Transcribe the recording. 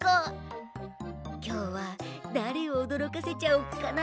きょうはだれをおどろかせちゃおっかな。